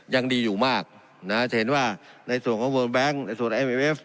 ยังดีอยู่มากนะจะเห็นว่าในส่วนของเวอร์แบงค์ในส่วนเอเวฟ